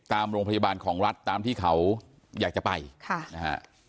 ตามโรงพยาบาลของรัฐตามที่เขาอยากจะไปค่ะนะฮะ